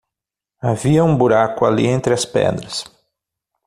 Havia um buraco ali entre as pedras.